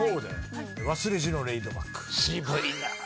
『わすれじのレイド・バック』渋いな。